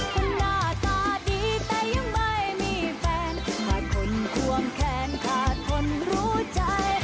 คุณหน้าตาดีแต่ยังไม่มีแฟนมาทนควงแขนขาดคนรู้ใจ